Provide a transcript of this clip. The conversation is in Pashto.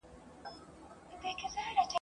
حیا به تللې شرم به هېر وي ..